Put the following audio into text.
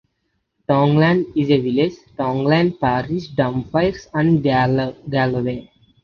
Tongland is a village in Tongland Parish, Dumfries and Galloway.